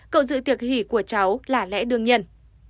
cậu giữ tiệc hỷ của cháu là lẽ đương nhiên